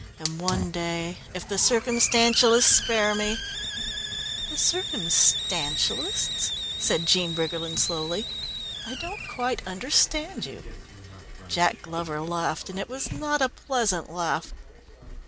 "And one day, if the Circumstantialists spare me " "The Circumstantialists," said Jean Briggerland slowly. "I don't quite understand you." Jack Glover laughed, and it was not a pleasant laugh.